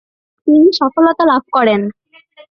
তিনি সফলতা লাভ করেন।